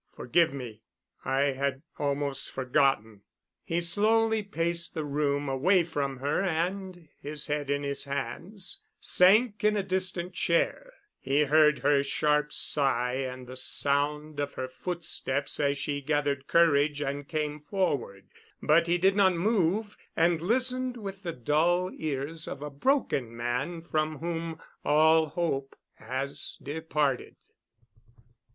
"Forgive me. I had almost forgotten." He slowly paced the room away from her and, his head in his hands, sank in a distant chair. He heard her sharp sigh and the sound of her footsteps as she gathered courage and came forward. But he did not move, and listened with the dull ears of a broken man from whom all hope has departed.